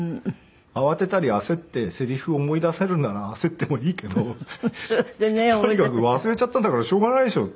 「慌てたり焦ってセリフを思い出せるなら焦ってもいいけどとにかく忘れちゃったんだからしょうがないでしょ」って。